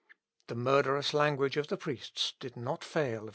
The murderous language of the priests did not fail of its effect.